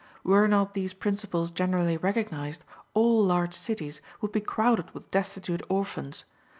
Were not these principles generally recognized, all large cities would be crowded with destitute orphans.